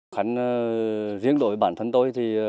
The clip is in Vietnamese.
khán riêng đội bản thân tôi